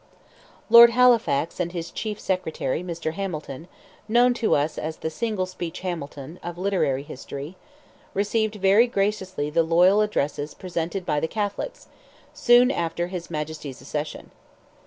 Lord Halifax, and his chief secretary, Mr. Hamilton (known to us as "the single speech Hamilton," of literary history), received very graciously the loyal addresses presented by the Catholics, soon after his Majesty's accession.